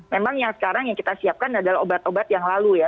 memang yang sekarang yang kita siapkan adalah obat obat yang lalu ya